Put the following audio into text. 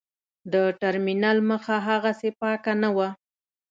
د ټرمینل مخه هاغسې پاکه نه وه.